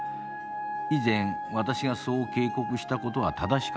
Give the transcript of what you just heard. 以前私がそう警告した事は正しかった。